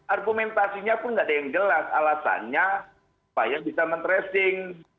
argumentasinya pun nggak ada yang jelas alasannya bahaya bisa mentresing